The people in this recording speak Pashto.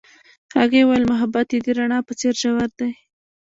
هغې وویل محبت یې د رڼا په څېر ژور دی.